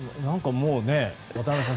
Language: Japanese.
もう、渡辺さん